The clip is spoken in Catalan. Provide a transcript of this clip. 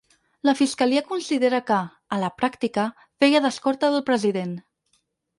La fiscalia considera que, a la pràctica, feia d’escorta del president.